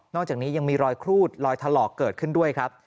อกจากนี้ยังมีรอยครูดรอยถลอกเกิดขึ้นด้วยครับ